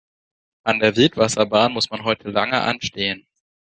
An der Wildwasserbahn muss man heute lange anstehen.